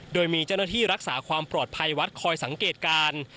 โดยมีเจ้าหน้าที่รักษาความปลอดภัยวัดคอยสังเกตการ